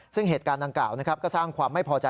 ซึ่งเหตุการณ์ดังกล่าวก็สร้างความไม่พอใจ